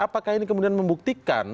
apakah ini kemudian membuktikan